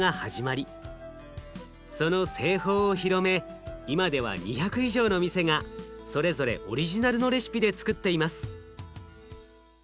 その製法を広め今では２００以上の店がそれぞれオリジナルのレシピでつくっています。